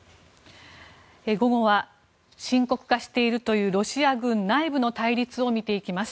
午後は深刻化しているというロシア軍内部の対立を見ていきます。